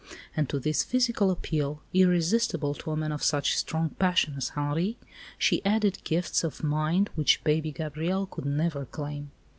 And to this physical appeal irresistible to a man of such strong passion as Henri, she added gifts of mind which "baby Gabrielle" could never claim.